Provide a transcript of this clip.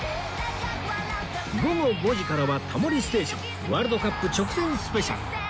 午後５時からは『タモリステーション』ワールドカップ直前スペシャル